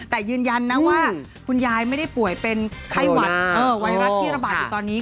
แต่ยืนยันนะว่าคุณยายไม่ได้ป่วยเป็นไข้หวัดไวรัสที่ระบาดอยู่ตอนนี้